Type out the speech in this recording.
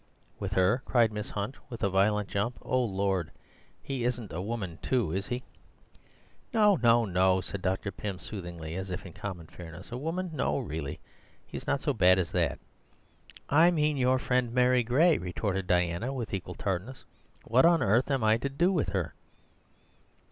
"With her?" cried Miss Hunt, with a violent jump. "O lord, he isn't a woman too, is he?" "No, no, no," said Dr. Pym soothingly, as if in common fairness. "A woman? no, really, he is not so bad as that." "I mean your friend Mary Gray," retorted Diana with equal tartness. "What on earth am I to do with her?"